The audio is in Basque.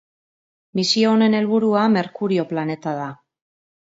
Misio honen helburua Merkurio planeta da.